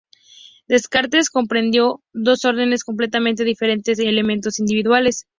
Descartes comprendió dos órdenes completamente diferenciados de elementos individuales.